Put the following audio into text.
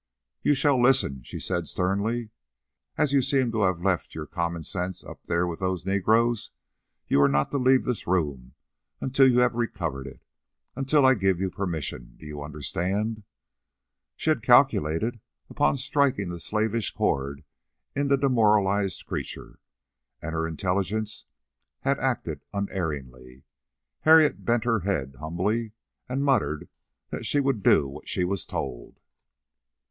"You shall listen," she said sternly. "As you seem to have left your common sense up there with those negroes, you are not to leave this room until you have recovered it until I give you permission. Do you understand?" She had calculated upon striking the slavish chord in the demoralized creature, and her intelligence had acted unerringly. Harriet bent her head humbly, and muttered that she would do what she was told.